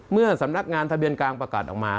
เมื่อสำนักงานทะเบียนกลางประกาศออกมา